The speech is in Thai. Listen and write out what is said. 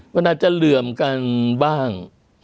มันอาจจะเหลื่อมกันบ้าง